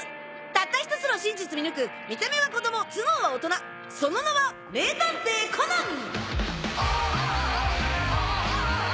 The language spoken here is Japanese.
たった１つの真実見抜く見た目は子供頭脳は大人その名は名探偵コナン！